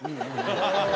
ハハハハ！